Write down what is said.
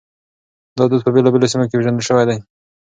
دا دود په بېلابېلو سيمو کې پېژندل شوی دی.